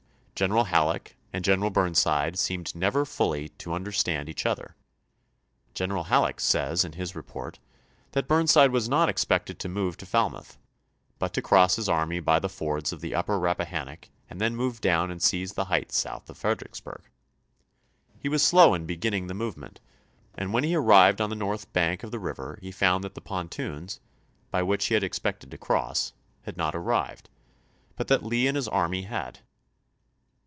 General Halleck and General Burnside seemed never fully to understand each other. General Halleck says in his report that Burnside was not expected to move to Fal mouth, but to cross his army by the fords of the Upper Rappahannock and then move down and seize the heights south of Fredericksburg. He was slow in beginning the movement, and when he ar rived on the north bank of the river he found that the pontoons, by which he had expected to cross, had not arrived, but that Lee and his army had.